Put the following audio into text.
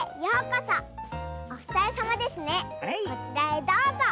こちらへどうぞ。